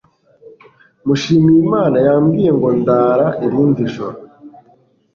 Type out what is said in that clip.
Mushimiyimana yambwiye ngo ndara irindi joro.